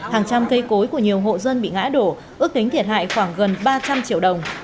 hàng trăm cây cối của nhiều hộ dân bị ngã đổ ước tính thiệt hại khoảng gần ba trăm linh triệu đồng